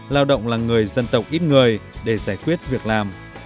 lao động là người dân tộc ít người để giải quyết việc làm